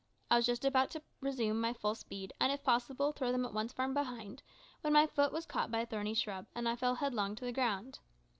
I was just about to resume my full speed, and, if possible, throw them at once far behind, when my foot was caught by a thorny shrub, and I fell headlong to the ground.